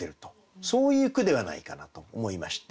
そういう句ではないかなと思いまして。